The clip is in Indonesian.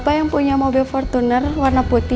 bapak yang punya mobil fortuner warna putih